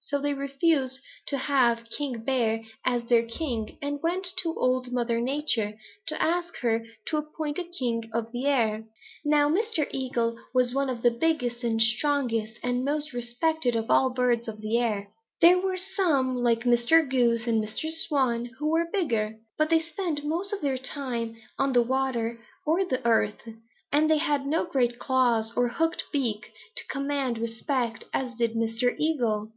So they refused to have old King Bear as their king and went to Old Mother Nature to ask her to appoint a king of the air. Now Mr. Eagle was one of the biggest and strongest and most respected of all the birds of the air. There were some, like Mr. Goose and Mr. Swan, who were bigger, but they spent most of their time on the water or the earth, and they had no great claws or hooked beak to command respect as did Mr. Eagle.